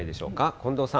近藤さん。